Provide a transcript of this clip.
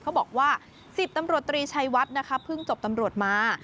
เขาบอกว่า๑๐ตำรวจตรีชัยวัดนะคะเพิ่งจบตำรวจมา